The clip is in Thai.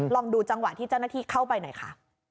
ลองดูจังหวะที่เจ้าหน้าที่เข้าไปหน่อยค่ะ